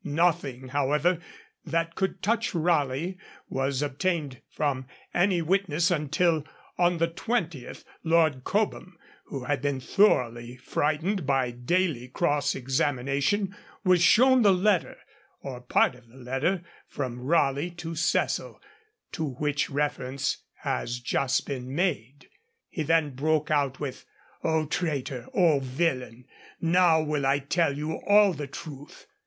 Nothing, however, that could touch Raleigh was obtained from any witness until, on the 20th, Lord Cobham, who had been thoroughly frightened by daily cross examination, was shown the letter, or part of the letter, from Raleigh to Cecil to which reference has just been made. He then broke out with, 'O traitor! O villain! now will I tell you all the truth!'